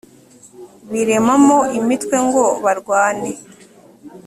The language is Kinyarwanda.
biremamo imitwe ngo barwane